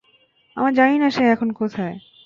আমরা জানি না সে এখন কোথায়।